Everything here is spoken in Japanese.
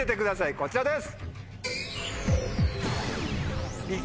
こちらです。